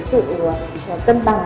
sự cân bằng